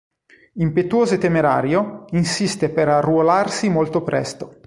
Impetuoso e temerario, insiste per arruolarsi molto presto.